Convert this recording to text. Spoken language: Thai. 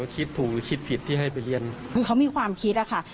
คือเขามีความคิดค่ะ